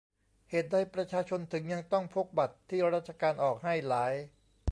เหตุใดประชาชนถึงยังต้องพกบัตรที่ราชการออกให้หลาย